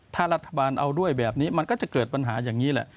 ถ้ารัฐบาลเอาด้วยแบบนี้มันก็จะเกิดปัญหาอย่างนี้แหละ